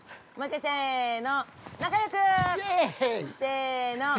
せの。